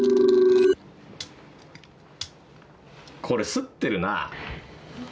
これ擦ってるな。